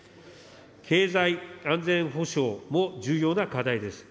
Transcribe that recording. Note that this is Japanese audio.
経済安全保障も重要な課題です。